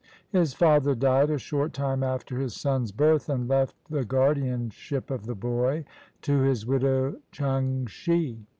His father died a short time after his son's birth and left the guardianship of the boy to his widow Changshi.